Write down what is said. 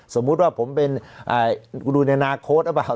สมมุติว่าผมเป็นกูดูในอนาคตหรือเปล่า